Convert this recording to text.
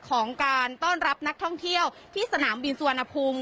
ของการต้อนรับนักท่องเที่ยวที่สนามบินสุวรรณภูมิ